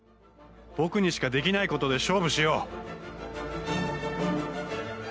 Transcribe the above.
僕にしかできないことで勝負しよう